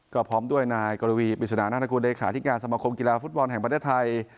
ก็พร้อมด้วยนายกรวีบิสุนานนักลงคุณเดค่าที่การสมคมกีฬาฟุตบอลแห่งประเทศไทย